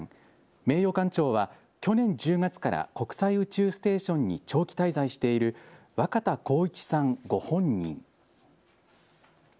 名誉館長は去年１０月から国際宇宙ステーションに長期滞在している若田光一さんご本人。